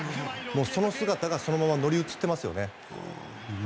その姿がそのまま乗り移ってますよね。